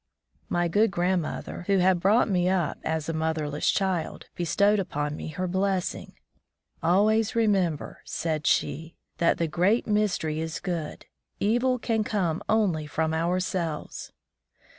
My good grandmother, who had brought me up as a motherless child, be stowed upon me her blessing. "Always remember," said she, "that the Great Mystery is good; evil can come only from ourselves!"